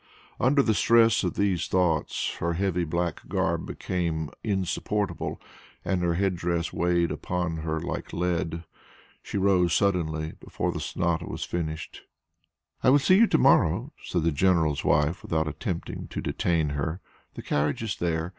Under the stress of these thoughts her heavy black garb became insupportable, and her head dress weighed upon her like lead. She rose suddenly, before the sonata was finished. "I will see you to morrow," said the general's wife without attempting to detain her; "the carriage is there.